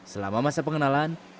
selama masa pengenalan